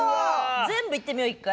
全部いってみよう１回。